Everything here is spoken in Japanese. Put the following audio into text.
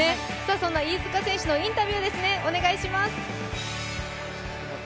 そんな飯塚選手のインタビューですね、お願いします。